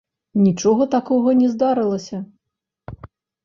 Нічога такога не здарылася.